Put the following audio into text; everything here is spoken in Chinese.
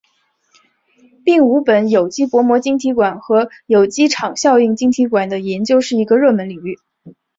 并五苯有机薄膜晶体管和有机场效应晶体管的研究是一个热门领域。